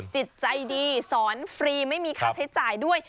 จิตใจดีสอนฟรีไม่มีค่าใช้จ่ายด้วย